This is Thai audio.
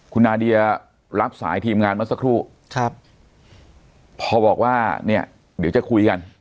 คุณนาเดียรับสายทีมงานเมื่อสักครู่ครับพอบอกว่าเนี่ยเดี๋ยวจะคุยกัน